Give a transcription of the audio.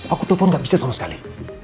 aku telepon gak bisa sama sekali